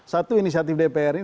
satu inisiatif dpr ini